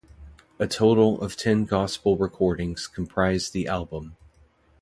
A total of ten gospel recordings comprised the album.